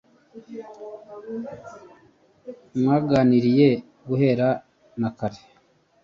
mwaganiriye guhera na kare